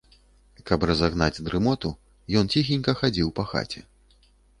Каб разагнаць дрымоту, ён ціхенька хадзіў па хаце.